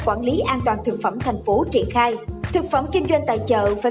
cái an toàn thực phẩm ở chợ này là lâu rồi